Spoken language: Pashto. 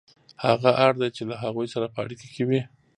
هغه اړ دی چې له هغوی سره په اړیکه کې وي